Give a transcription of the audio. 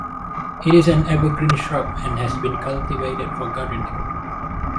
It is an evergreen shrub, and has been cultivated for gardening.